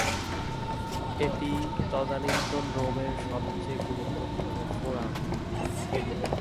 এটি তদানীন্তন রোমের সবচেয়ে গুরুত্বপূর্ণ ফোরাম।